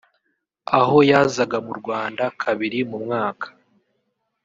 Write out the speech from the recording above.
aho yazaga mu Rwanda kabiri mu mwaka